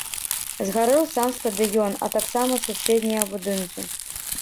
Згарэў сам стадыён, а таксама суседнія будынкі.